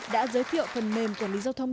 đã giới thiệu phần mềm quản lý giao thông